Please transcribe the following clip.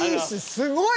すごい！